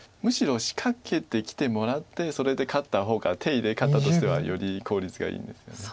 むしろ仕掛けてきてもらってそれで勝った方が手入れ方としてはより効率がいいんですよね。